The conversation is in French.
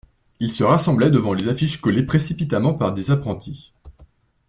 Ils se rassemblaient devant les affiches collées précipitamment par des apprentis.